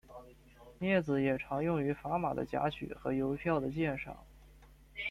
镊子也常用于砝码的夹取和邮票的鉴赏。